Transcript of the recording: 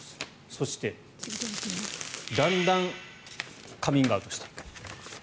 そして、だんだんカミングアウトしていく。